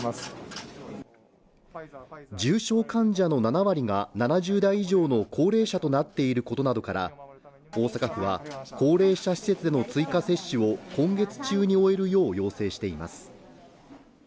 重症患者の７割が７０代以上の高齢者となっていることなどから大阪府は高齢者施設での追加接種を今月中に終えるよう要請しています。